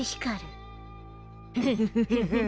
フフフ。